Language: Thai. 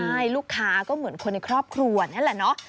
ใช่ลูกค้าก็เหมือนคนในครอบครัวนั่นแหละเนาะ